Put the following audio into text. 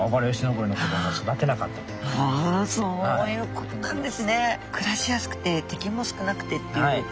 はあそういうことなんですね。